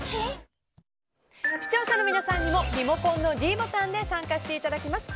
視聴者の皆さんにもリモコンのｄボタンで参加していただきます。